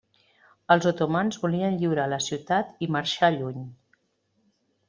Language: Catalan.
Els otomans volien lliurar la ciutat i marxar lluny.